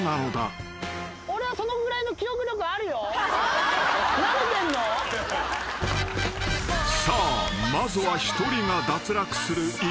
［さあまずは１人が脱落する１回戦］